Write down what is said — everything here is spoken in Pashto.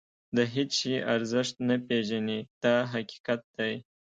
د هېڅ شي ارزښت نه پېژني دا حقیقت دی.